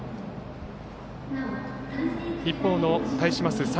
一方、対します